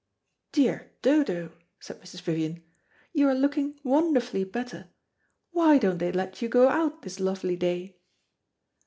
"Dear Dodo," said Mrs. Vivian, "you are looking wonderfully better. Why don't they let you go out this lovely day?"